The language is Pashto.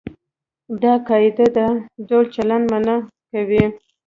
دا قاعده دا ډول چلند منع کوي.